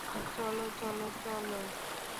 চলো, চলো, চলো, চলো!